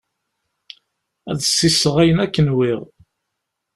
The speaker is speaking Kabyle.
Ad sisseɣ ayen akk nwiɣ.